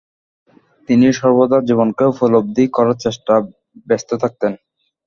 তিনি সর্বদা জীবনকে উপলব্ধি করার চেষ্টায় ব্যস্ত থাকতেন।